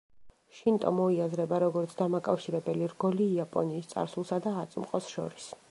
შინტო მოისაზრება როგორც დამაკავშირებელი რგოლი იაპონიის წარსულსა და აწმყოს შორის.